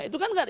itu kan enggak